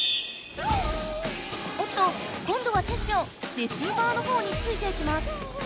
おっとこんどはテッショウレシーバーの方についていきます。